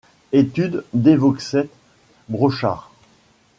Études Devauxet Brochard.